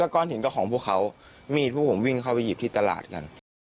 ก้อนหินก็ของพวกเขามีดพวกผมวิ่งเข้าไปหยิบที่ตลาดกัน